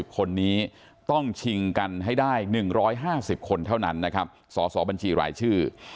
คนนี้ต้องชิงกันให้ได้๑๕๐คนเท่านั้นนะครับสสบัญชีรายชื่อ